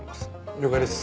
了解です。